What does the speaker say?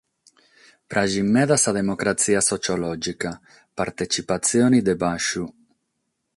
Praghet meda sa democratzia sotziològica: partetzipatzione dae bassu.